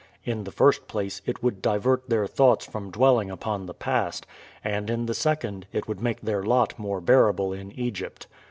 In the first place, it would divert their thoughts from dwelling upon the past, and in the second, it would make their lot more bearable in Egypt.